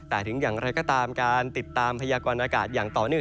แต่ถึงอย่างไรก็ตามการติดตามพยากรณากาศอย่างต่อเนื่อง